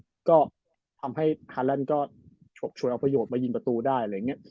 แนวลึกก็ทำให้ฮารั่นด์ก็ชวนเอาประโยคมายินประตูได้อะไรอย่างเงี้ย